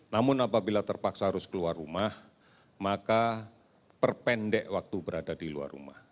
namun apabila terpaksa harus keluar rumah maka perpendek waktu berada di luar rumah